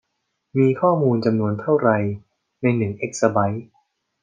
มีข้อมูลจำนวนเท่าไรในหนึ่งเอกซะไบท์